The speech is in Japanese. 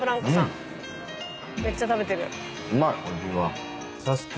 うまい！